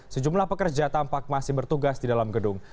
sejumlah pekerja tampak masih bertugas di dalam gedung